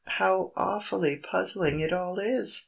How awfully puzzling it all is!"